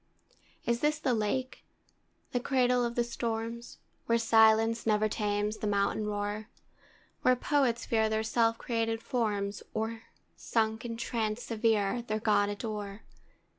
Is this the Lake, the cradle of the storms, Where silence never tames the mountain roar, Where poets fear their self created forms, Or, sunk in trance severe, their God adore?